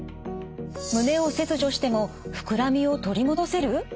胸を切除しても膨らみを取り戻せる？